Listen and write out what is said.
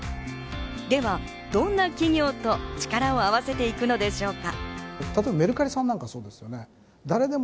ではどんな企業と力を合わせていくのでしょうか。